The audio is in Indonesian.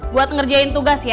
buat ngerjain tugas ya